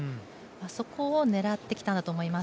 そこを狙ってきたんだと思います。